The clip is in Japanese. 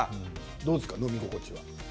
どうですか、飲み心地は。